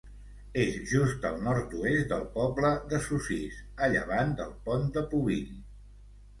És just al nord-oest del poble de Sossís, a llevant del Pont de Pubill.